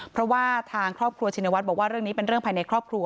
เพราะว่าทางครอบครัวชินวัฒน์บอกว่าเรื่องนี้เป็นเรื่องภายในครอบครัว